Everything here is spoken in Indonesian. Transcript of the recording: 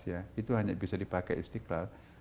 itu hanya bisa dipakai istiqlal